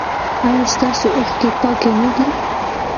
ایا ستاسو اوښکې پاکې نه دي؟